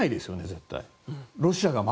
絶対。